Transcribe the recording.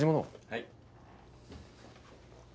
はい。